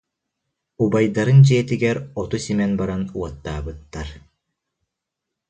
Убайдарын дьиэтигэр оту симэн баран уоттаабыттар